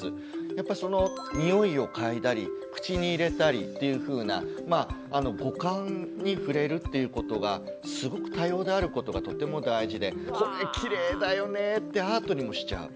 やっぱりそのにおいをかいだり口に入れたりっていうふうな五感に触れるっていうことがすごく多様であることがとても大事でこれきれいだよねってアートにもしちゃう。